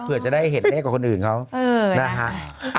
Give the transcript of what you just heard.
เผื่อจะได้เห็นได้กว่าคนอื่นเขานะครับ